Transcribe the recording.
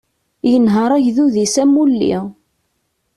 Yenḥeṛ agdud-is am ulli.